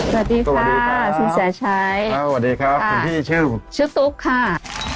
สวัสดีค่ะสินแสชัยชื่อตุ๊กค่ะ